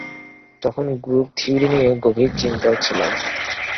তখন group theory নিয়ে গভীর চিন্তায় ছিলাম।